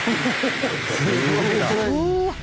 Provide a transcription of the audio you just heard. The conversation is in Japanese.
すごいな。